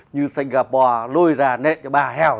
như singapore lôi ra nện cho ba heo